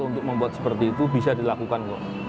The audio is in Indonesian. untuk membuat seperti itu bisa dilakukan kok